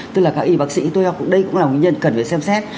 tức là các y bác sĩ tôi học đây cũng là nguyên nhân cần phải xem xét